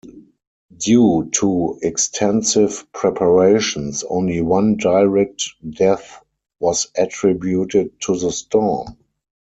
Due to extensive preparations, only one direct death was attributed to the storm.